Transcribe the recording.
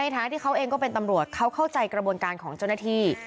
ทั้งที่เขาเองก็เป็นตำรวจเขาเข้าใจกระบวนการของเจ้าหน้าที่